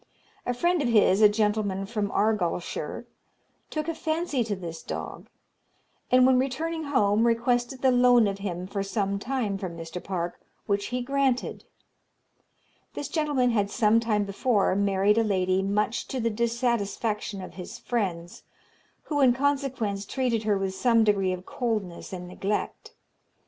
A friend of his, a gentleman from Argyllshire, took a fancy to this dog; and, when returning home, requested the loan of him for some time from Mr. Park, which he granted. This gentleman had some time before married a lady much to the dissatisfaction of his friends, who, in consequence, treated her with some degree of coldness and neglect.